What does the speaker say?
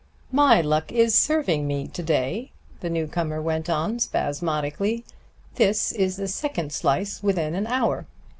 "My luck is serving me to day," the newcomer went on spasmodically. "This is the second slice within an hour.